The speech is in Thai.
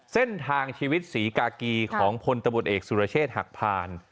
เส้นทางชีวิตศรีกากีของพลตำรวจเอกสุรเชษฐ์หักผ่าน